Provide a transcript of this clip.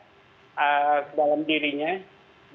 maka orang orang yang terinfeksi akan memiliki imunitas yang lebih tinggi